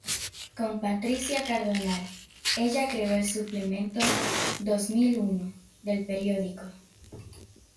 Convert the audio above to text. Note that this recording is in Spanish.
Con Patricia Cardonal, ella creó el suplemento "Dos Mil Uno" del periódico".